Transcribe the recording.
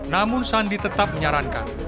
namun sandi tetap menyarankan